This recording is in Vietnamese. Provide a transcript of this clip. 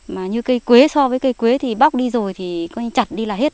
mà như cây quế so với cây quế thì bóc đi rồi thì chặt đi là hết